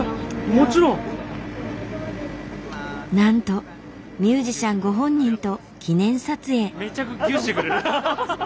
なんとミュージシャンご本人と記念撮影。